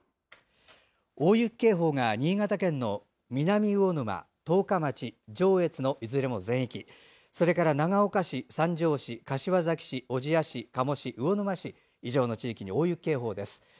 大雪警報が新潟県の南魚沼十日町、上越のいずれも全域それから長岡市、三条市、柏崎市小千谷市、加茂市、魚沼市以上の地域に大雪警報です。